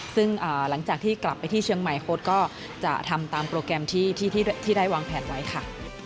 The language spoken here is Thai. ซึ่งหลังจากที่กลับไปที่เชียงใหม่โค้ดก็จะทำตามโปรแกรมที่ได้วางแผนไว้ค่ะ